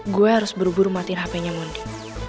gue harus buru buru matiin hpnya mondi